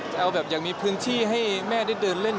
เอาแบบอย่างมีพื้นที่ให้แม่ได้เดินเล่น